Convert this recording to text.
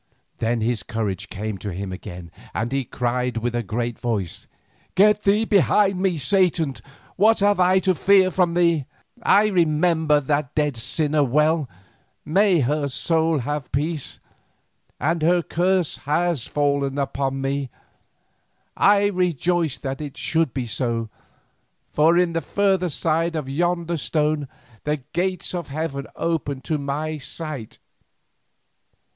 Then his courage came to him again, and he cried with a great voice: "Get thee behind me, Satan, what have I to fear from thee? I remember that dead sinner well—may her soul have peace—and her curse has fallen upon me. I rejoice that it should be so, for on the further side of yonder stone the gates of heaven open to my sight.